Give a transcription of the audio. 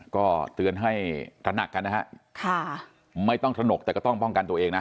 ก็เตือนให้ตระหนักกันนะฮะค่ะไม่ต้องถนกแต่ก็ต้องป้องกันตัวเองนะ